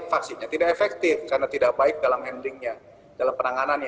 vaksinnya tidak efektif karena tidak baik dalam endingnya dalam penanganannya